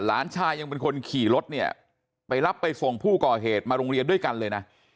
หลานชายยังเป็นคนขี่รถเนี่ยไปรับไปส่งผู้ก่อเหตุมาโรงเรียนด้วยกันเลยนะ